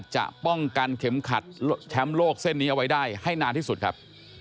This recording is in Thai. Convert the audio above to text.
จะป้องกันเข็มขัดแชมป์โลกเส้นนี้เอาไว้ได้ให้นานที่สุดครับ